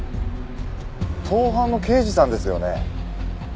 盗犯の刑事さんですよね？